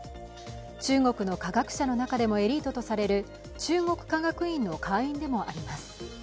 中国の科学者の中でもエリートとされる中国科学院の会員でもあります。